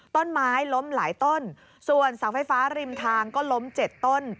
ต้นไม้ล้มหลายต้นส่องไฟฟ้าริมทางก็ล้ม๗ต้น